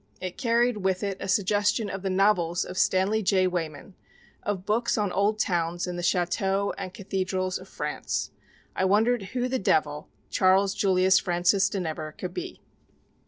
It carried with it a suggestion of the novels of Stanley J. Weyman, of books on old towns and the châteaux and cathedrals of France. I wondered who the devil Charles Julius Francis de Nevers could be.